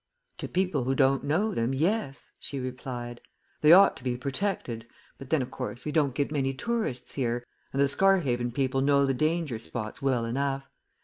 "To people who don't know them, yes," she replied. "They ought to be protected, but then, of course, we don't get many tourists here, and the Scarhaven people know the danger spots well enough.